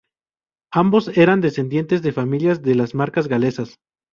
Ambos eran descendientes de familias de las Marcas Galesas.